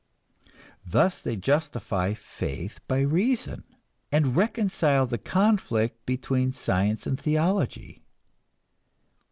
Thus they justify faith by reason, and reconcile the conflict between science and theology.